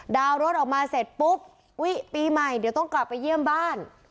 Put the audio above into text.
ดาวน์รถออกมาเสร็จปุ๊บอุ๊ยปีใหม่เดี๋ยวต้องกลับไปเยี่ยมบ้าน